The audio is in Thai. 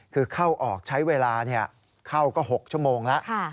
คือเข้าออกใช้เวลาเข้าก็๖ชั่วโมงแล้ว